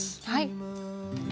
はい。